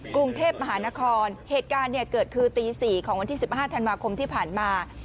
กรุงเทพมหานครเหตุการณ์เนี่ยเกิดคือตี๔ของวันที่๑๕ธันวาคมที่ผ่านมา